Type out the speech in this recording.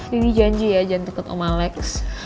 jadi janji ya jangan deket om alex